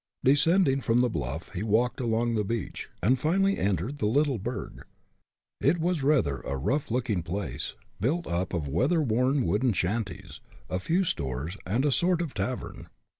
Descending from the bluff, he walked along the beach, and finally entered the little burg. It was rather a rough looking place, built up of weather worn wooden shanties, a few stores, and a sort of tavern.